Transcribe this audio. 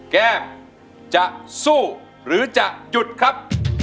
แก้มจะสู้หรือจะหยุดครับ